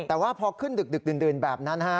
แต่ว่าพอขึ้นดึกดื่นแบบนั้น